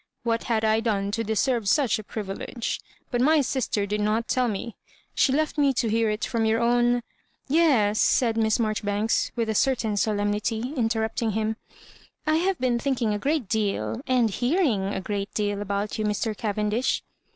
" "What had I done to deserve such a privilege? But my sister did not tell me ; she left me to hear it from your own "" Yes," said Miss Marjoribanks, with a certain solemnity, interruptmg him ; "I have been thinking a great deal — and hearing a great deal about you, Mr. Cavendish."